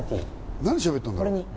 何しゃべったんだろ？